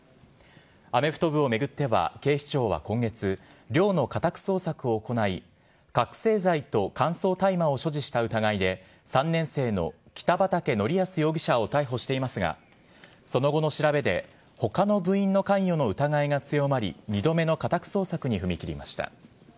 アメフト部を巡っては、警視庁は今月、寮の家宅捜索を行い、覚醒剤と乾燥大麻を所持した疑いで、３年生の北畠成文容疑者を逮捕していますが、その後の調べで、ほかの部員の関与の疑いが強まり、２度目の家宅捜索に踏み切りました。